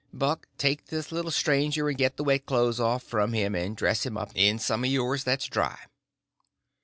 Buck, take this little stranger and get the wet clothes off from him and dress him up in some of yours that's dry."